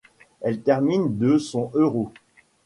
Elle termine de son Euro.